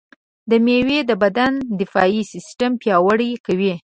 دا مېوه د بدن دفاعي سیستم پیاوړی کوي.